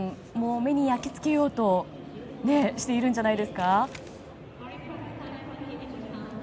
目に焼き付けようとしているんじゃないですか？